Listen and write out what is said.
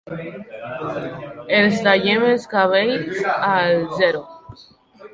Els tallem els cabells al zero.